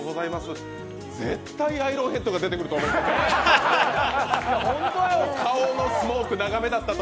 絶対アイロンヘッドが出てくると思ってた。